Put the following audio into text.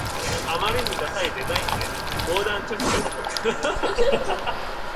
あまりにダサいデザインで防弾チョッキかと思った